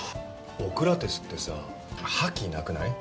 オクラテスってさ覇気なくない？